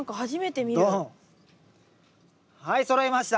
はいそろいました。